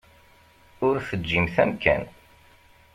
Ur teǧǧimt amkan.